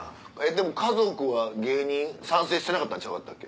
でも家族は芸人賛成してなかったちゃうかったっけ？